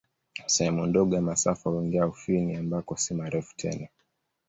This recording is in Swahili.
Sehemu ndogo ya masafa huingia Ufini, ambako si marefu tena.